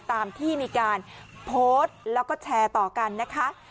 ตามที่มีการโพสต์แล้วก็แชร์ต่อกันนะคะ